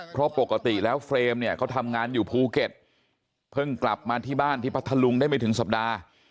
เพราะปกติแล้วเฟรมเนี่ยเขาทำงานอยู่ภูเก็ตเพิ่งกลับมาที่บ้านที่พัทธลุงได้ไม่ถึงสัปดาห์